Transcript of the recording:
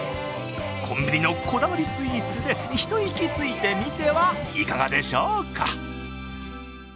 コンビニのこだわりスイーツで一息ついてみてはいかがでしょうか。